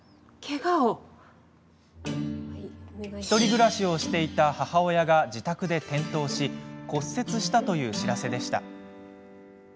１人暮らしをしていた母親が自宅で転倒し骨折したという知らせでした。